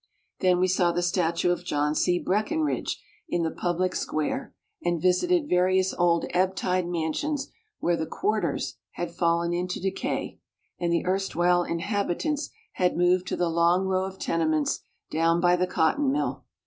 Then we saw the statue of John C. Breckinridge in the public square, and visited various old ebb tide mansions where the "quarters" had fallen into decay, and the erstwhile inhabitants had moved to the long row of tenements down by the cotton mill.